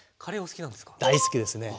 大好きですね！